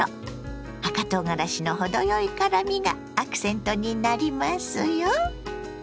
赤とうがらしの程よい辛みがアクセントになりますよ。